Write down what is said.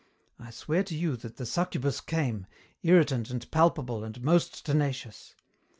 I swear to you that the succubus came, irritant and palpable and most tenacious.